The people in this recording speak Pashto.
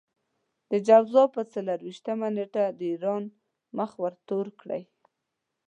د جوزا پر څلور وېشتمه نېټه د ايران مخ ورتور کړئ.